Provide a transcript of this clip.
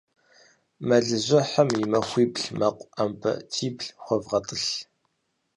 Мэлыжьыхьым и махуибл мэкъу Ӏэмбатибл хуэгъэтӀылъ.